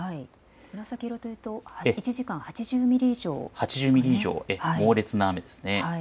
紫色というと１時間に８０ミリ以上、猛烈な雨です。